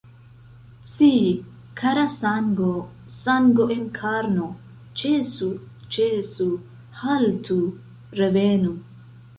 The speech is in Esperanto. Ci, kara sango, sango en karno, ĉesu, ĉesu, haltu, revenu!